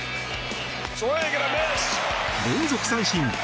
連続三振。